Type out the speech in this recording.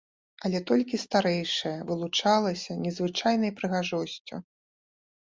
Але толькі старэйшая вылучалася незвычайнай прыгажосцю.